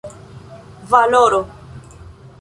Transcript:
valoro